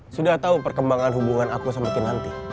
sudah tahu perkembangan hubungan aku sama kinanti